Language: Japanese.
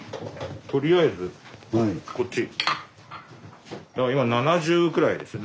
とりあえずこっち。